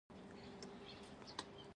• بادام د شکر د کچې په کنټرول کې مرسته کوي.